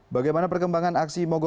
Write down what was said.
bagaimana perkembangan aksi mogok